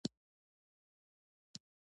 يو وارې د ځوانيمرګ صمد